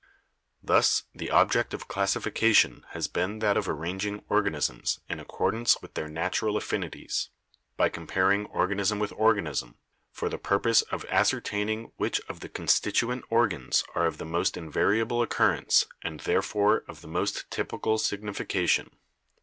"Thus the object of classification has been that of ar ranging organisms in accordance with their natural affini ties, by comparing organism with organism, for the purpose of ascertaining which of the constituent organs are of the most invariable occurrence and therefore of the most typi cal signification.